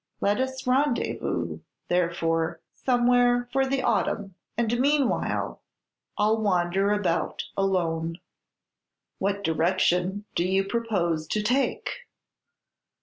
Let us rendezvous, therefore, somewhere for the autumn, and meanwhile I 'll wander about alone." "What direction do you purpose to take?"